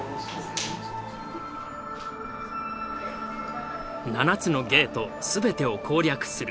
７つのゲート全てを攻略する。